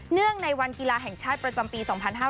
งในวันกีฬาแห่งชาติประจำปี๒๕๕๙